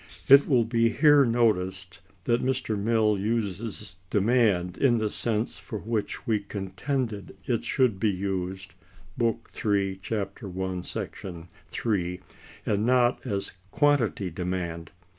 It will be here noticed that Mr. Mill uses demand in the sense for which we contended it should be used (Book III, Chap. I, § 3), and not as "quantity demanded."